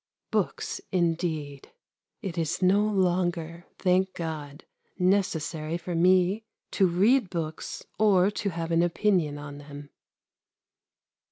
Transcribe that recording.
Books indeed! It is no longer, thank God, necessary for me to read books, or to have an opinion on them!